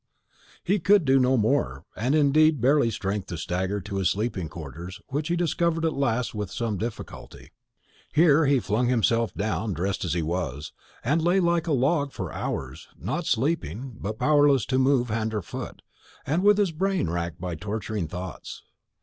He could do no more, and had indeed barely strength to stagger to his sleeping quarters, which he discovered at last with some difficulty. Here he flung himself down, dressed as he was, and lay like a log, for hours, not sleeping, but powerless to move hand or foot, and with his brain racked by torturing thoughts.